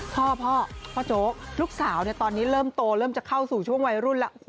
พ่อพ่อโจ๊กลูกสาวตอนนี้เริ่มโตเริ่มจะเข้าสู่ช่วงวัยรุ่นแล้ว